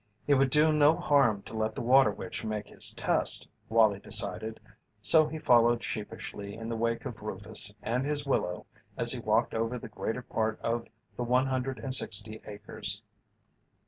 It would do no harm to let the water witch make his test, Wallie decided, so he followed sheepishly in the wake of Rufus and his willow as he walked over the greater part of the one hundred and sixty acres.